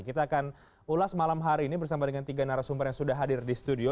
kita akan ulas malam hari ini bersama dengan tiga narasumber yang sudah hadir di studio